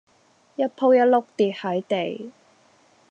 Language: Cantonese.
一僕一碌跌係地